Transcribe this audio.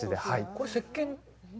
これ、せっけん？